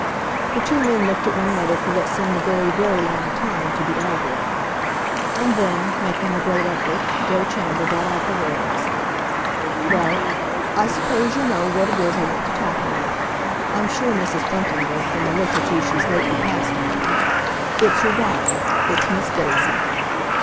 The two men looked at one another for what seemed a very, very long time to the elder of them. And then, making a great effort, Joe Chandler brought out the words, "Well, I suppose you know what it is I want to talk about. I'm sure Mrs. Bunting would, from a look or two she's lately cast on me. It's your daughter—it's Miss Daisy."